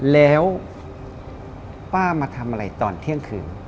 แล้วป้ามาทำอะไรตอนเที่ยงคืน